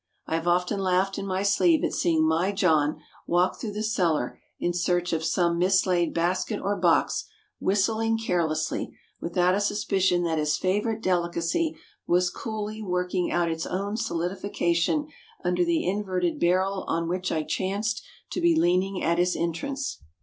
I have often laughed in my sleeve at seeing my John walk through the cellar in search of some mislaid basket or box, whistling carelessly, without a suspicion that his favorite delicacy was coolly working out its own solidification under the inverted barrel on which I chanced to be leaning at his entrance.